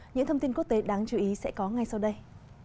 những thông tin quốc tế đáng chú ý sẽ có ngay sau đây